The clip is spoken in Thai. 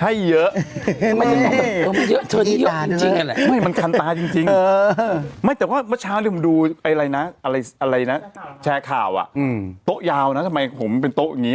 ให้เยอะไม่มันคันตาจริงไม่แต่ว่าเมื่อเช้าดูอะไรนะแชร์ข่าวโต๊ะยาวนะทำไมผมเป็นโต๊ะอย่างนี้